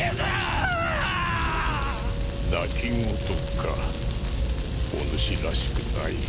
泣き言かおぬしらしくない。